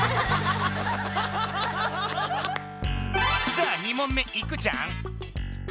じゃあ２問目いくじゃん！